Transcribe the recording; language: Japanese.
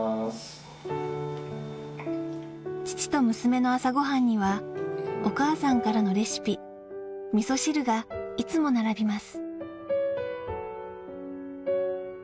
父と娘の朝ごはんにはお母さんからのレシピ、みそ汁がいつも並びます。